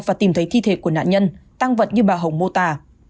và tìm thấy thi thể của nạn nhân tăng vật như bà hồng mô tả